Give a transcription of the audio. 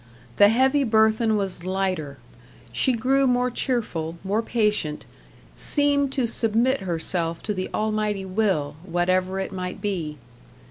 The heavy burthen was lighter; she grew more cheerful, more patient; seemed to submit herself to the Almighty will, whatever it might be.